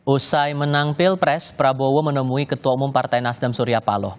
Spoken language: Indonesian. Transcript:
usai menang pilpres prabowo menemui ketua umum partai nasdem surya paloh